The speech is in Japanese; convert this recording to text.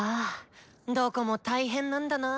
どこも大変なんだな。